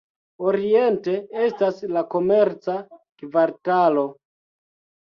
Oriente estas la komerca kvartalo.